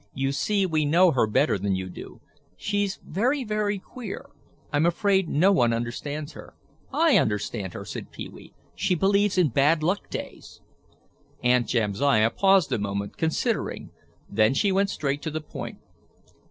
"You see we know her better than you do. She's very, very queer; I'm afraid no one understands her." "I understand her," said Pee wee. "She believes in bad luck days." Aunt Jamsiah paused a moment, considering; then she went straight to the point.